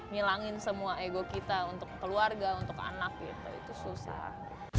ngilangin semua ego kita untuk keluarga untuk anak gitu itu susah